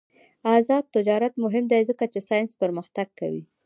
آزاد تجارت مهم دی ځکه چې ساینس پرمختګ کوي.